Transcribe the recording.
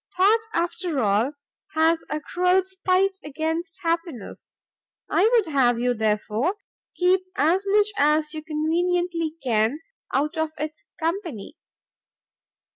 Thought, after all, has a cruel spite against happiness; I would have you, therefore, keep as much as you conveniently can, out of its company.